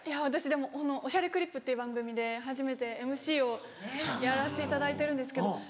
私でも『おしゃれクリップ』っていう番組で初めてＭＣをやらせていただいてるんですけど。